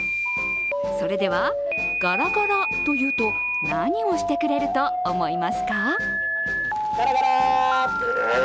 それでは、ガラガラと言うと何をしてくれると思いますか？